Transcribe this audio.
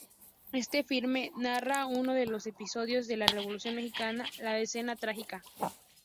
Este filme narra uno de los episodios de la Revolución mexicana, la Decena Trágica.